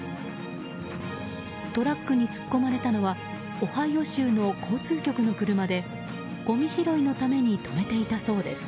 トラックに突っ込まれたのはオハイオ州の交通局の車でごみ拾いのために止めていたそうです。